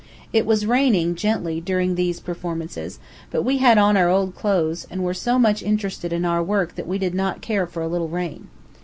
It was raining, gently, during these performances, but we had on our old clothes, and were so much interested in our work that we did not care for a little rain.